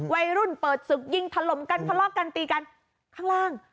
วัยรุ่นเปิดศึกยิงถล่มกันทะเลาะกันตีกันข้างล่าง